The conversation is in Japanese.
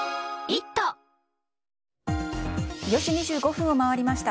４時２５分を回りました。